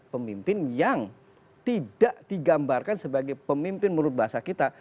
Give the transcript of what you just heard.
pemimpin yang tidak digambarkan sebagai pemimpin menurut bahasa kita